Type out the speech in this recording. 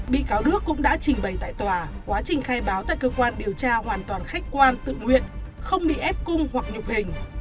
bị cáo đức cũng đã trình bày tại tòa quá trình khai báo tại cơ quan điều tra hoàn toàn khách quan tự nguyện không bị ép cung hoặc nhục hình